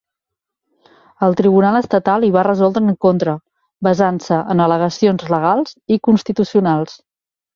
El tribunal estatal hi va resoldre en contra, basant-se en al·legacions legals i constitucionals.